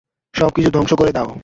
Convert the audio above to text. সবকিছু ধ্বংস করে দাও।